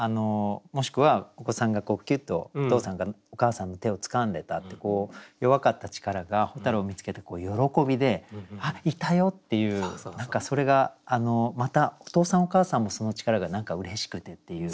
もしくはお子さんがこうキュッとお父さんかお母さんの手をつかんでたって弱かった力が蛍を見つけた喜びで「あっいたよ！」っていう何かそれがまたお父さんお母さんもその力が何かうれしくてっていう。